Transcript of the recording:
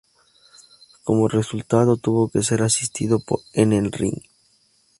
Como resultado, tuvo que ser asistido en el ring.